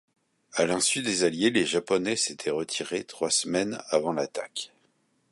À l'insu des Alliés, les Japonais s'étaient retiré trois semaines avant l'attaque.